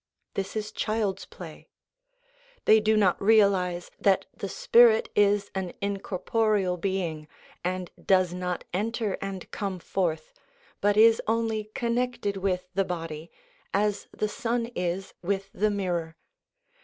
This is child's play. They do not realise that the spirit is an incorporeal being, and does not enter and come forth, but is only connected with the body, as the sun is with the mirror.